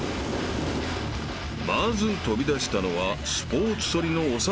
［まず飛び出したのはスポーツソリの長田］